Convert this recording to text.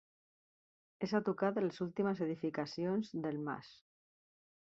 És a tocar de les últimes edificacions del mas.